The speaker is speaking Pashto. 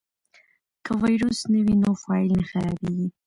که ویروس نه وي نو فایل نه خرابېږي.